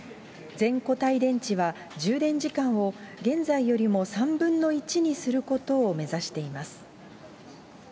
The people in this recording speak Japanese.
全固体電池は充電時間を現在よりも３分の１にすることを目指しています。